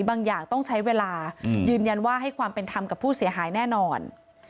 บางอย่างต้องใช้เวลายืนยันว่าให้ความเป็นธรรมกับผู้เสียหายแน่นอน